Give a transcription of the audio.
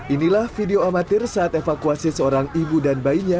inilah video amatir saat evakuasi seorang ibu dan bayinya